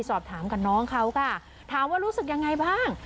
สอบถามกับน้องเขาค่ะถามว่ารู้สึกยังไงบ้าง